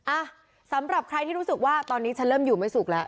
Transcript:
อ่ะสำหรับใครที่รู้สึกว่าตอนนี้ฉันเริ่มอยู่ไม่สุขแล้ว